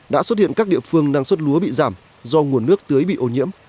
đã xuất hiện các địa phương năng suất lúa bị giảm do nguồn nước tưới bị ô nhiễm